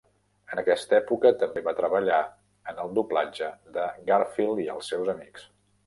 En aquesta època també va treballar en el doblatge de "Garfield i els seus amics".